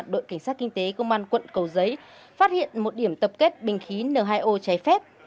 đội cảnh sát kinh tế công an quận cầu giấy phát hiện một điểm tập kết bình khí n hai o trái phép